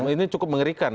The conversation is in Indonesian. ini cukup mengerikan